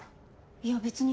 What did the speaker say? いや別に。